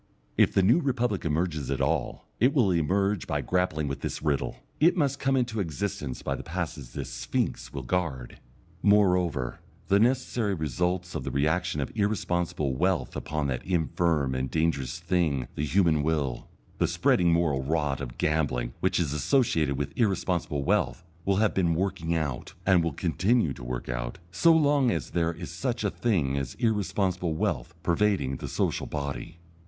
If the New Republic emerges at all it will emerge by grappling with this riddle; it must come into existence by the passes this Sphinx will guard. Moreover, the necessary results of the reaction of irresponsible wealth upon that infirm and dangerous thing the human will, the spreading moral rot of gambling which is associated with irresponsible wealth, will have been working out, and will continue to work out, so long as there is such a thing as irresponsible wealth pervading the social body.